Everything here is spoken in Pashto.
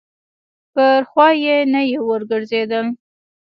پر خوا یې نه یې ورګرځېدل.